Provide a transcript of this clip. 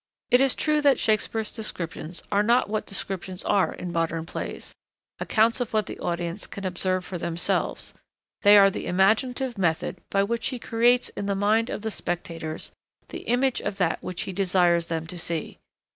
It is true that Shakespeare's descriptions are not what descriptions are in modern plays accounts of what the audience can observe for themselves; they are the imaginative method by which he creates in the mind of the spectators the image of that which he desires them to see.